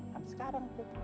kan sekarang cik